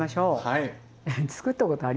はい。